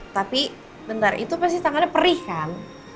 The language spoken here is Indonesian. tapi benar itu pasti tangannya perih kan